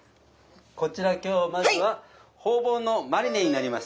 こちら今日まずはホウボウのマリネになります。